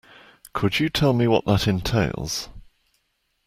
Could you tell me what that entails?